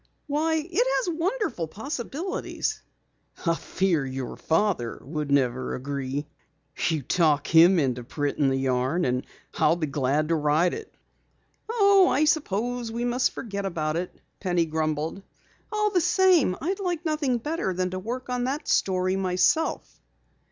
"Why, it has wonderful possibilities." "I fear your father never would agree. You talk him into printing the yarn and I'll be glad to write it." "Oh, I suppose we must forget about it," Penny grumbled. "All the same, I'd like nothing better than to work on the story myself."